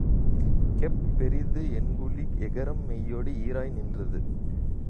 கெப் பெரிது என்புழி எகரம் மெய்யோடு ஈறாய் நின்றது.